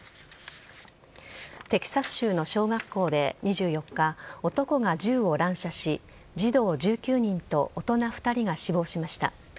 テキサス州の小学校で２４日男が銃を乱射し児童１９人と大人２人が死亡しました。